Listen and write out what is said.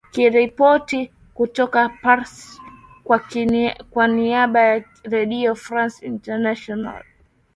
nikiripoti kutoka paris kwa niaba ya redio france international